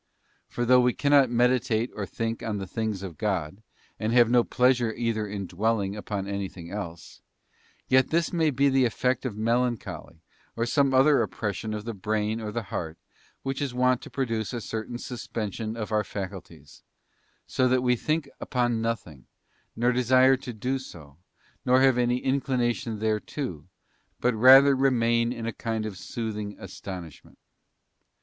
For though we cannot _ meditate or think on the things of God, and have no pleasure is either in dwelling upon anything else; yet this may be the _ effect of melancholy or some other oppression of the brain or _ the heart, which is wont to produce a certain suspension of _ our faculties, so that we think upon nothing, nor desire to in a kind of soothing astonishment.